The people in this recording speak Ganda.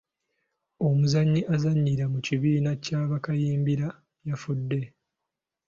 Omuzannyi azannyira mu kibiina kya Bakayimbira yafudde.